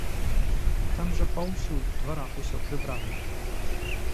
Там жа паўсюль у дварах усё прыбрана.